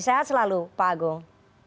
sehat selalu pak agung